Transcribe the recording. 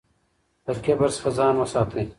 له کبر څخه ځان وساتئ.